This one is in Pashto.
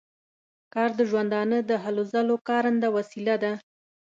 کار د ژوندانه د هلو ځلو کارنده وسیله ده.